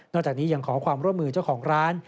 จากนี้ยังขอความร่วมมือเจ้าของร้าน